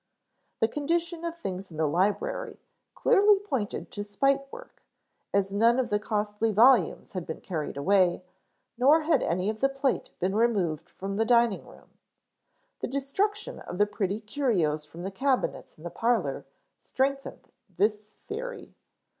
The condition of things in the library clearly pointed to spite work, as none of the costly volumes had been carried away, nor had any of the plate been removed from the dining room. The destruction of the pretty curios from the cabinets in the parlor strengthened this theory.